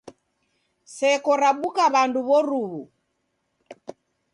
Seko rabuka w'andu w'oruw'u.